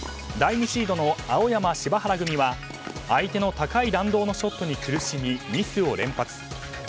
第２シードの青山、柴原組は相手の高い弾道のショットに苦しみ、ミスを連発。